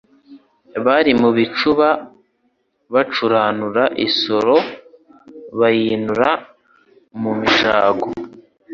Bari mu bicuba bacuranura, Isoro bayinura mu mijago :